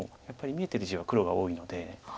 やっぱり見えてる地は黒が多いので。